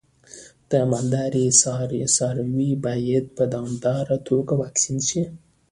د مالدارۍ څاروی باید په دوامداره توګه واکسین شي.